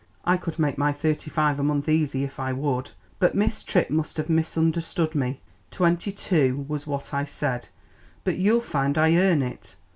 "I could make my thirty five a month easy if I would. But Miss Tripp must have misunderstood me; twenty two was what I said, but you'll find I earn it.